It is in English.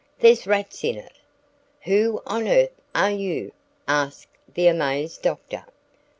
There's rats in it!" "Who on earth are you?" asked the amazed Doctor.